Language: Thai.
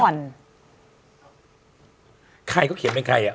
ใครเขาเขียนเป็นใครอ่ะ